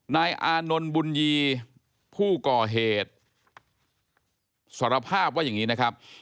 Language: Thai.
นายอานนท์บุญยีผู้ก่อเหตุสารภาพว่าอย่างนี้นะครับ